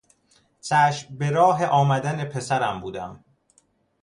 چشم به راه آمدن پسرم بودم.